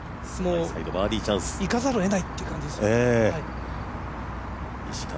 行かざるをえないっていう感じですよね。